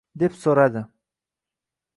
Deb so‘radi